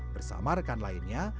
bersama rekan lainnya